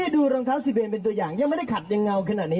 ดูรองเท้าซีเวนเป็นตัวอย่างยังไม่ได้ขัดยังเงาขนาดนี้